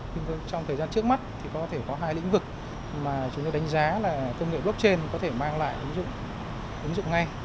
nhưng trong thời gian trước mắt thì có thể có hai lĩnh vực mà chúng tôi đánh giá là công nghệ blockchain có thể mang lại ứng dụng ứng dụng ngay